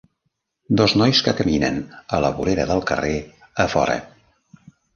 dos nois que caminen, a la vorera del carrer, a fora.